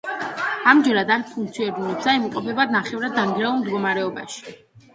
ამჟამად არ ფუნქციონირებს და იმყოფება ნახევრად დანგრეულ მდგომარეობაში.